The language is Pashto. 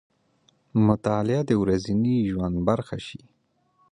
مطالعه دې د ورځني ژوند برخه شي.